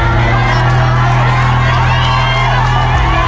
เริ่มครับ